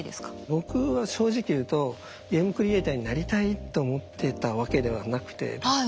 僕は正直言うとゲームクリエイターになりたいと思ってたわけではなくてですね